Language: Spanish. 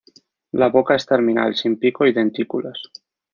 La boca es terminal, sin pico y dentículos.